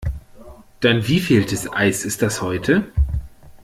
Dein wievieltes Eis ist das heute?